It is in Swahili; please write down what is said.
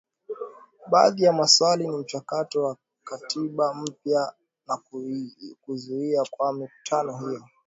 Baadhi ya maswali ni mchakato wa Katiba Mpya na kuzuiwa kwa mikutano hiyo